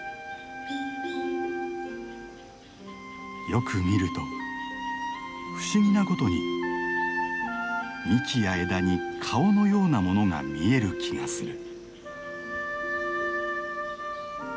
よく見ると不思議なことに幹や枝に顔のようなものが見える気がする。